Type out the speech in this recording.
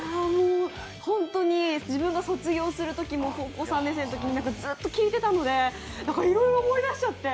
本当に、自分が卒業するときも、高校３年生のとき、ずっと聴いてたので、いろいろ思い出しちゃって。